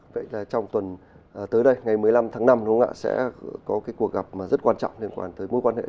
vậy là trong tuần tới đây ngày một mươi năm tháng năm sẽ có cuộc gặp rất quan trọng liên quan tới mối quan hệ